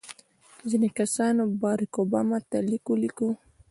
ځینو کسانو بارک اوباما ته لیک ولیکه.